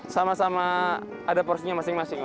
sama sama ada porsinya masing masing